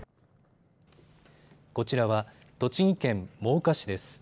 こちらは栃木県真岡市です。